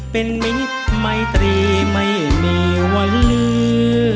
เป็นมิ้นไมตรีไม่มีวันลืม